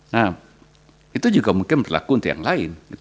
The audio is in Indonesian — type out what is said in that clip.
nah itu juga mungkin berlaku untuk yang lain